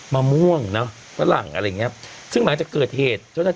มะม่วงเนอะฝรั่งอะไรอย่างเงี้ยซึ่งหลังจากเกิดเหตุเจ้าหน้าที่